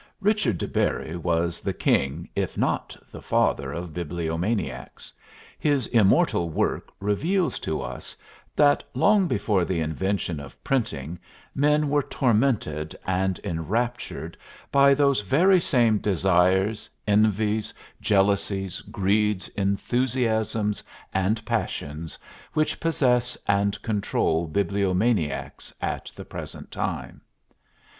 Richard de Bury was the king, if not the father, of bibliomaniacs; his immortal work reveals to us that long before the invention of printing men were tormented and enraptured by those very same desires, envies, jealousies, greeds, enthusiasms, and passions which possess and control bibliomaniacs at the present time.